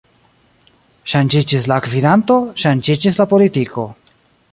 Ŝanĝiĝis la gvidanto, ŝanĝiĝis la politiko.